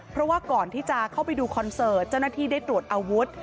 เพราะว่าก่อนที่จะเข้าไปดูคอนเสิร์ตเจ้าหน้าที่ได้ตรวจอาวุธ